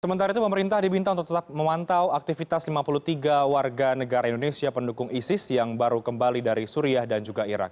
sementara itu pemerintah diminta untuk tetap memantau aktivitas lima puluh tiga warga negara indonesia pendukung isis yang baru kembali dari suriah dan juga irak